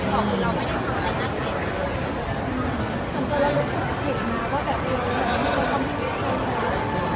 ช่องความหล่อของพี่ต้องการอันนี้นะครับ